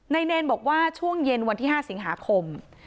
เนรบอกว่าช่วงเย็นวันที่๕สิงหาคม